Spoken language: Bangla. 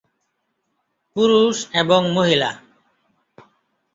পুরুষ এবং মহিলা।